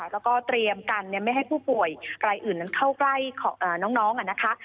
แล้วก็เตรียมกันไม่ให้ผู้ป่วยรายอื่นนั้นเข้าใกล้ของน้องนะคะ